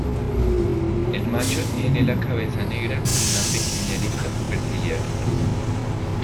El macho tiene la cabeza negra con una pequeña lista superciliar azul.